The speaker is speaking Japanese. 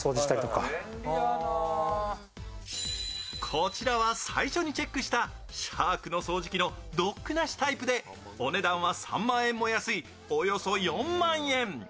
こちらは最初にチェックしたシャークの掃除機のドックなしタイプでお値段は３万円も安いおよそ４万円。